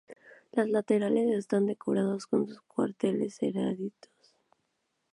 Los laterales están decorados con sus cuarteles heráldicos.